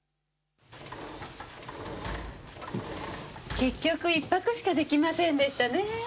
結局１泊しかできませんでしたねぇ。